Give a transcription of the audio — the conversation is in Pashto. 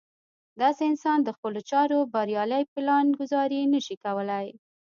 داسې انسان د خپلو چارو بريالۍ پلان ګذاري نه شي کولی.